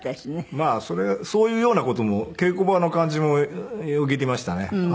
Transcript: まあそういうような事も稽古場の感じもよぎりましたね。